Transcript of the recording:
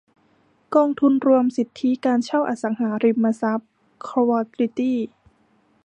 กองทุนรวมสิทธิการเช่าอสังหาริมทรัพย์ควอลิตี้